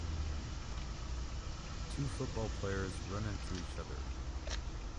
Two football players run into each other.